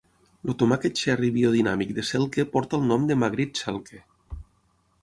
El tomàquet cherry biodinàmic de Selke porta el nom de Margrit Selke.